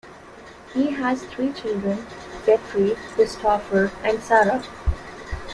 He has three children: Jeffrey, Christopher and Sarah.